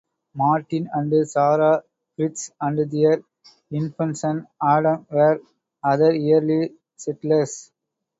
Martin and Sarah Fritz and their infant son, Adam, were other early settlers.